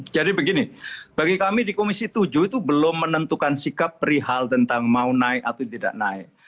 jadi begini bagi kami di komisi tujuh itu belum menentukan sikap perihal tentang mau naik atau tidak naik